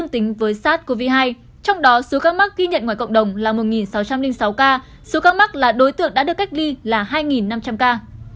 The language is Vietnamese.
trong đó số các mắc ghi nhận ngoài cộng đồng là một sáu trăm linh sáu ca số các mắc là đối tượng đã được cách ly là hai năm trăm linh ca